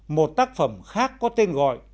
một tác phẩm khác có tên gọi